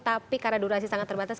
tapi karena durasi sangat terbatas